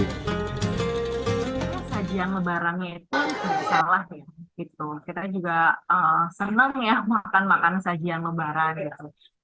sajian lebarannya itu tidak salah ya gitu kita juga senang ya makan makan sajian lebaran gitu